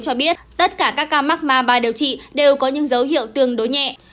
cho biết tất cả các ca mắc mà điều trị đều có những dấu hiệu tương đối nhẹ